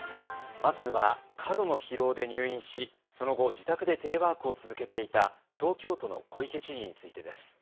まずは過度の疲労で入院しその後自宅でテレワークを続けていた東京都の小池知事についてです。